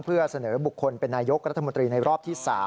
เพื่อเสนอบุคคลเป็นนายกรัฐมนตรีในรอบที่๓